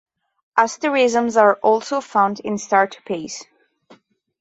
Asterisms are also found in star-topaz.